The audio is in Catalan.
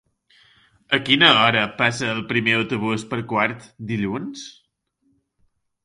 A quina hora passa el primer autobús per Quart dilluns?